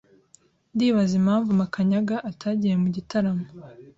Ndibaza impamvu Makanyaga atagiye mu gitaramo.